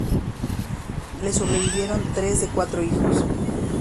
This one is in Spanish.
Le sobrevivieron tres de sus cuatro hijos.